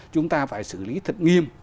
chúng ta phải xử lý thật nghiêm